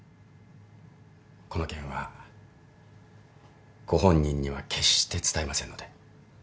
この件はご本人には決して伝えませんので。